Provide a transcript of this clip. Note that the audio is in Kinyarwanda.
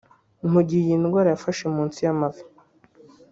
Mu gihe iyi ndwara yafashe munsi y’amavi